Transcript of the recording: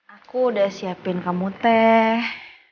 aku udah siapin kamu teh